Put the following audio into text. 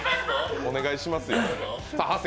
お願いしますよ。